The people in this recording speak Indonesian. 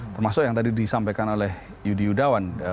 termasuk yang tadi disampaikan oleh yudi yudawan